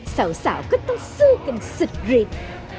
สาวก็ต้องสู้กันสุดฤทธิ์